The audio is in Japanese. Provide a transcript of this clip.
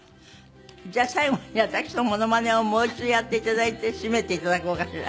じゃあ最後に私のモノマネをもう一度やって頂いて締めて頂こうかしら。